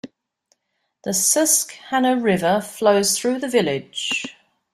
The Susquehanna River flows through the village.